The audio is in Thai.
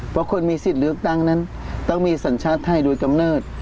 เพราะคนมีสิทธิ์เลือกตั้งนั้นต้องมีสัญชาติไทยโดยกำเนิด